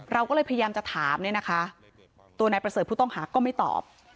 เราก็เลยพยายามจะถามเนี่ยนะคะตัวนายประเสริฐผู้ต้องหาก็ไม่ตอบ